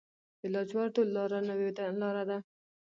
د لاجوردو لاره نوې لاره ده